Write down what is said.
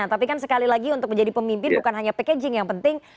tapi kan sekali lagi untuk menjadi pemimpin bukan hanya packaging yang penting